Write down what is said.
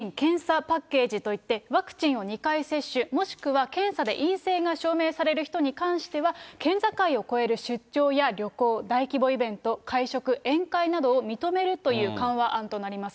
ワクチン・検査パッケージといって、ワクチンを２回接種、もしくは検査で陰性が証明される人に関しては、県境を越える出張や旅行、大規模イベント、会食、宴会などを認めるという緩和案となります。